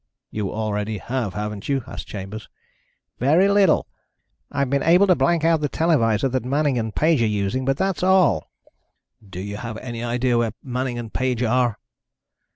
"You already have, haven't you?" asked Chambers. "Very little. I've been able to blank out the televisor that Manning and Page are using, but that is all." "Do you have any idea where Manning and Page are?"